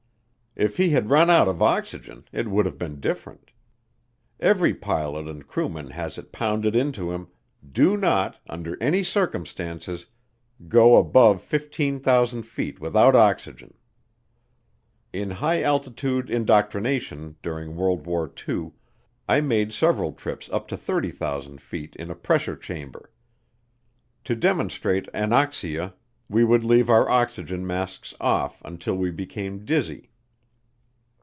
If he had run out of oxygen, it would have been different Every pilot and crewman has it pounded into him, "Do not, under any circumstances, go above 15,000 feet without oxygen." In high altitude indoctrination during World War II, I made several trips up to 30,000 feet in a pressure chamber. To demonstrate anoxia we would leave our oxygen masks off until we became dizzy.